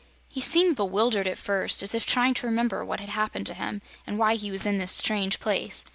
He seemed bewildered, at first, as if trying to remember what had happened to him and why he was in this strange place.